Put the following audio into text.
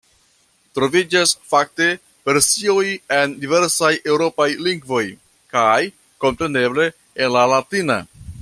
Troviĝas, fakte, versioj en diversaj eŭropaj lingvoj kaj, kompreneble, en la latina.